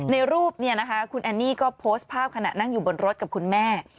ในรูปเนี่ยนะคะคุณแอนนี่ก็โพสต์ภาพขณะนั่งอยู่บนรถกับคุณแม่